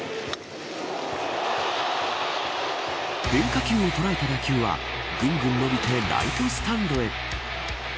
変化球をとらえた打球はぐんぐんのびてライトスタンドへ。